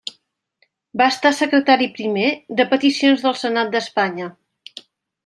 Va estar Secretari primer de peticions del Senat d'Espanya.